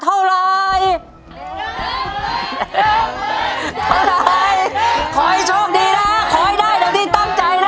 เท่าไรขอให้โชคดีนะขอให้ได้ตัวที่ตั้งใจนะ